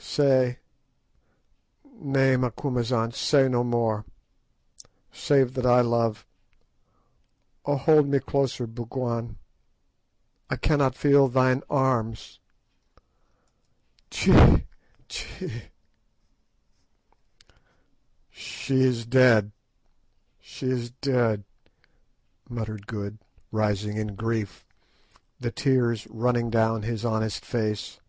Say—nay, Macumazahn, say no more, save that I love—Oh, hold me closer, Bougwan, I cannot feel thine arms—oh! oh!" "She is dead—she is dead!" muttered Good, rising in grief, the tears running down his honest face.